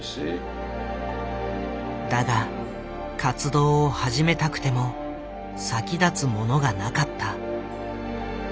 だが活動を始めたくても先立つものがなかった。